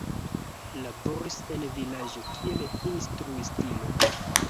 Laboris en vilaĝo kiel instruistino.